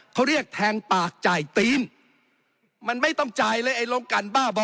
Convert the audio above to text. เขาเรียกแทงปากจ่ายธีมมันไม่ต้องจ่ายเลยไอ้โรงการบ้าบ่อ